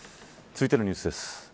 続いてのニュースです。